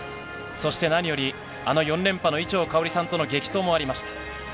そして何より、あの４連覇の伊調馨さんとの激闘もありました。